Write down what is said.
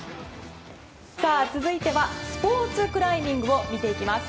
続いてはスポーツクライミングを見ていきます。